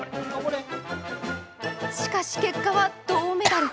しかし、結果は銅メダル。